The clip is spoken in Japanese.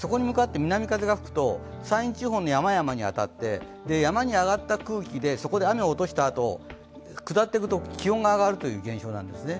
南風が吹くと山陰地方の山々に当たって、山に上がった空気でそこで雨を落としたあと下っていくと気温が上がるという現象なんですね。